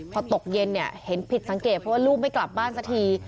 พอตกเย็นเนี่ยเห็นผิดสังเกตเพราะว่าลูกไม่กลับบ้านสักที